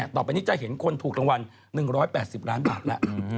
ต่อไปนี้จะเห็นคนถูกรางวัล๑๘๐ล้านบาทแล้ว